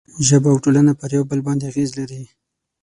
ژبه او ټولنه پر یو بل باندې اغېز لري.